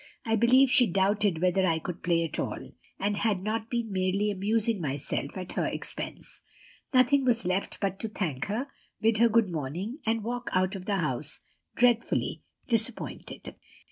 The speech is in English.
I believe she doubted whether I could play at all, and had not been merely amusing myself at her expense. Nothing was left but to thank her, bid her good morning, and walk out of the house, dreadfully disappointed.